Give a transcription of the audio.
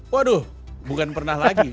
waduh bukan pernah lagi